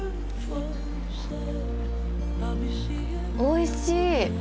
おいしい！